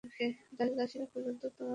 দাসদাসীরা পর্যন্ত তোমাকে তেমন মানে না।